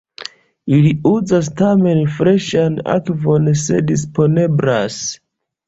Ili uzas tamen freŝan akvon se disponeblas.